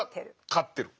勝ってる。